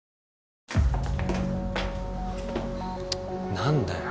何だよ